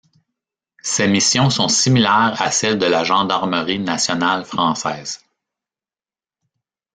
Ses missions sont similaires à celles de la Gendarmerie nationale française.